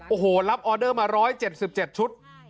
โอ้โหรับออเดอร์มา๑๗๗ชุด